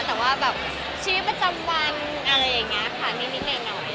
แต่ว่าแบบชีวิตประจำวันอะไรอย่างนี้ค่ะนิดหน่อย